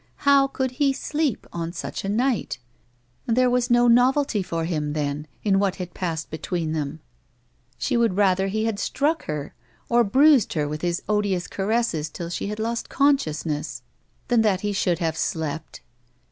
How could he sleep on such a night 1 There was no novelty for him, then, in what had passed between them 1 She would rather he had struck her, or bruised her with his odious caresses till she had lost cousciousuess, than that A WOMAN'S LIFE. 61 he should have slept.